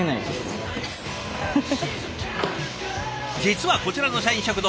実はこちらの社員食堂